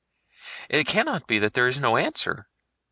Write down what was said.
It cannot be that there is no answer.